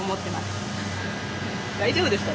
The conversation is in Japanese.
私大丈夫ですか？